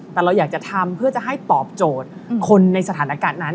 แต่เราอยากจะทำเพื่อจะให้ตอบโจทย์คนในสถานการณ์นั้น